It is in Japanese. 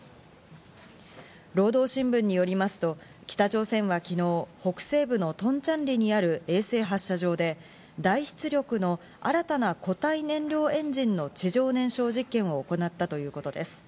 労働新聞によりますと、北朝鮮は昨日、北西部のトンチャンリにある衛星発射場で大出力の新たな固体燃料エンジンの地上燃焼実験を行ったということです。